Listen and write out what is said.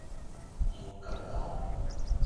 羊角豆